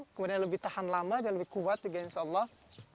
kemudian lebih tahan lama dan lebih kuat juga insya allah